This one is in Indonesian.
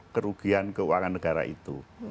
kerugian keuangan negara itu